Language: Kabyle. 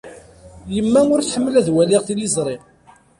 Yemma ur tḥemmel ad waliɣ tiliẓri.